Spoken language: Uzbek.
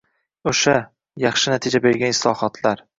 o‘sha – yaxshi natija bergan islohotlar